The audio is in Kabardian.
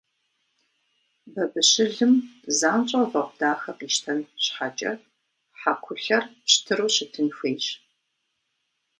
Бабыщылым занщӀэу вэгъу дахэ къищтэн щхьэкӀэ, хьэкулъэр пщтыру щытын хуейщ.